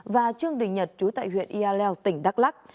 và trương đình nhật chú tại huyện yaleo tỉnh đắk lắc